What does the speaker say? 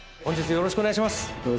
よろしくお願いします